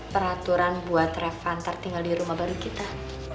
peraturan buat revan ntar tinggal di rumah baru kita